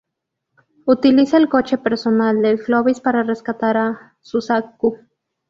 Utiliza el coche personal del Clovis para rescatar a Suzaku.